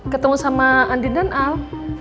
ketemu sama andin dan al